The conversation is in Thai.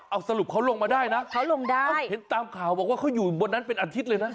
เอาสรุปเขาลงมาได้นะเขาลงได้เห็นตามข่าวบอกว่าเขาอยู่บนนั้นเป็นอาทิตย์เลยนะ